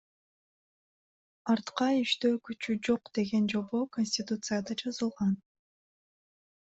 Артка иштөө күчү жок деген жобо Конституцияда жазылган.